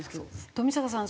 冨坂さん